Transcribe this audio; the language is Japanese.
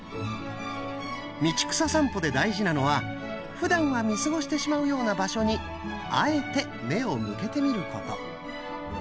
道草さんぽで大事なのはふだんは見過ごしてしまうような場所にあえて目を向けてみること。